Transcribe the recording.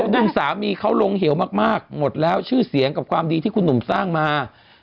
ซึ่งสามีเขาลงเหวมากหมดแล้วชื่อเสียงกับความดีที่คุณหนุ่มสร้างมา